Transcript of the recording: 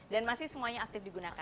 dan masih semuanya aktif digunakan